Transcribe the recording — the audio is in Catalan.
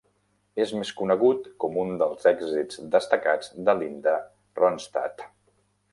És més conegut com un dels èxits destacats de Linda Ronstadt.